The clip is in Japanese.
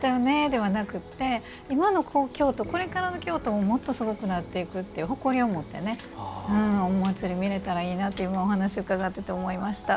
ではなくて今の京都これからの京都ももっとすごくなっていくって誇りを持ってお祭り見れたらいいなと今、お話を伺ってて思いました。